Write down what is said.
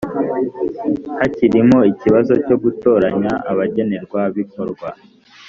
hakirimo ikibazo cyo gutoranya abagenerwabikorwa